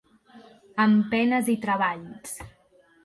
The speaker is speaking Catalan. Amb penes i treballs.